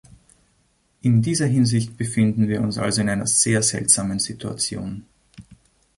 In dieser Hinsicht befinden wir uns also in einer sehr seltsamen Situation.